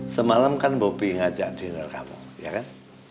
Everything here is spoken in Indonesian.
semalam kan bobi ngajak dinner kamu ya kan